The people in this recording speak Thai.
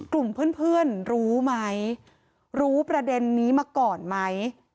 กลุ่มเพื่อนรู้ไหมรู้ประเด็นนี้มาก่อนไหม